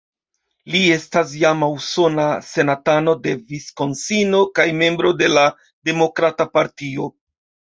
Li estas iama usona senatano de Viskonsino kaj membro de la Demokrata Partio.